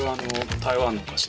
台湾のお菓子。